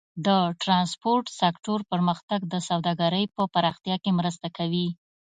د ټرانسپورټ سکتور پرمختګ د سوداګرۍ په پراختیا کې مرسته کوي.